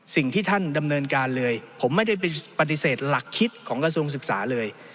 สิ่งที่ท่านดำเนินการเลยผมไม่ได้ไปปฏิเสธหลักคิดของกระทรวงศึกษาเลย